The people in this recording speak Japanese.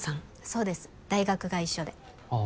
そうです大学が一緒であ